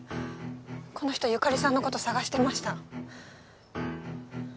この人由香里さんのこと捜してました